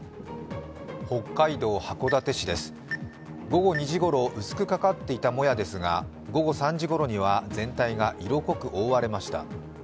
北海道函館市です午後２時ごろ薄くかかっていたもやですが、午後３時ごろには全体が色濃く覆われました。